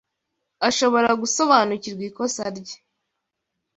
Ashobora gusobanukirwa ikosa rye